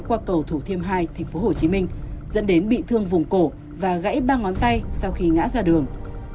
qua cầu thủ thiêm hai tp hcm dẫn đến bị thương vùng cổ và gãy ba ngón tay sau khi ngã ra đường